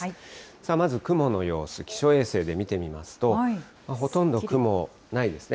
さあ、まず雲の様子、気象衛星で見てみますと、ほとんど雲ないですね。